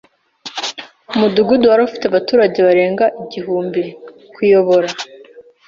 Umudugudu wari ufite abaturage barenga igihumbi. (_kuyobora)